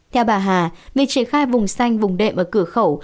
theo bà hà việc triển khai vùng xanh vùng đệm ở cửa khẩu